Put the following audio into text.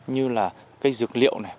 như là cây dược liệu cây ăn quả ôn đới